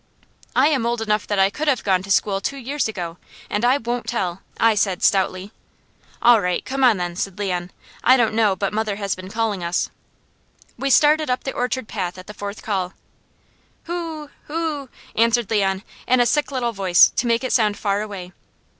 "I am old enough that I could have gone to school two years ago, and I won't tell!" I said stoutly. "All right! Come on then," said Leon. "I don't know but mother has been calling us." We started up the orchard path at the fourth call. "Hoo hoo!" answered Leon in a sick little voice to make it sound far away.